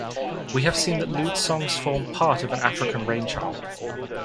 We have seen that lewd songs form part of an African rain charm.